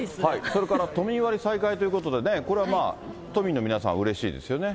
それから都民割再開ということで、これは都民の皆さん、うれしいですよね。